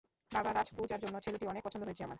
বাবা রাজ, পুজার জন্য, ছেলেটি অনেক পছন্দ হয়েছে আমার।